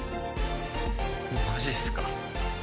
マジっすか。